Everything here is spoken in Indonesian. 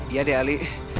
ya deh ali